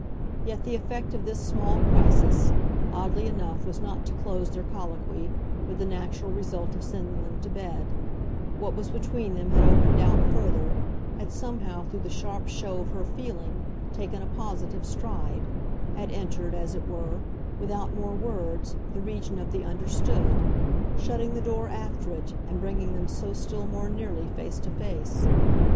Yet the effect of this small crisis, oddly enough, was not to close their colloquy, with the natural result of sending them to bed: what was between them had opened out further, had somehow, through the sharp show of her feeling, taken a positive stride, had entered, as it were, without more words, the region of the understood, shutting the door after it and bringing them so still more nearly face to face.